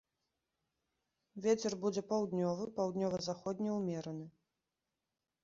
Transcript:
Вецер будзе паўднёвы, паўднёва-заходні ўмераны.